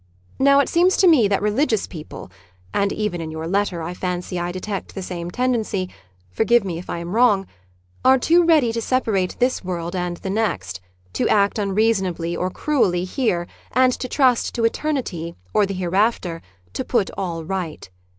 Now it seems to me that religious people— and even in your letter I fancy I detect the same tendency (forgive me if I am wrong)— are too ready to separate this world and the next, to act unreasonably or cruelly here and to trust to Eternity, or the Hereafter, to put all right.